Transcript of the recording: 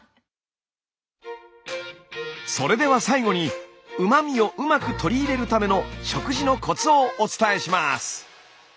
それでは最後にうま味をうまく取り入れるための食事のコツをお伝えします！